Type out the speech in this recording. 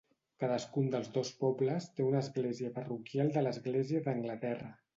Cadascun dels dos pobles té una església parroquial de l'Església d'Anglaterra.